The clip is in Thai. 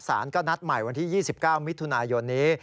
สารก็นัดใหม่วันที่๒๙มิถุนายนนี้